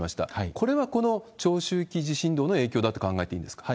これはこの長周期地震動の影響だと考えていいんですか？